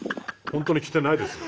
本当にきてないんですか？」